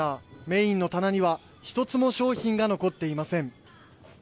メインの棚には１つも商品が残っていません。